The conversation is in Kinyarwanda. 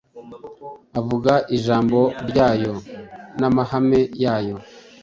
avuga ijambo ryayo n’amahame yayo,